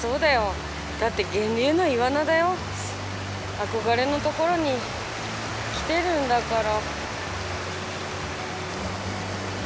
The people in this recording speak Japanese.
憧れの所に来てるんだから。